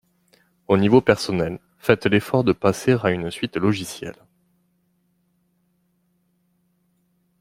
Au niveau personnel, faites l'effort de passer à une suite logicielle